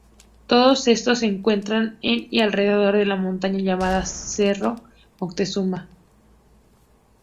Todos estos se encuentran en y alrededor de la montaña llamada Cerro Moctezuma.